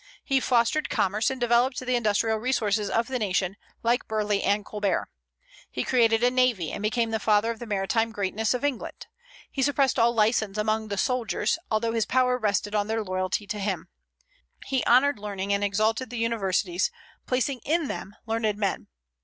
He fostered commerce and developed the industrial resources of the nation, like Burleigh and Colbert. He created a navy, and became the father of the maritime greatness of England. He suppressed all license among the soldiers, although his power rested on their loyalty to him. He honored learning and exalted the universities, placing in them learned men.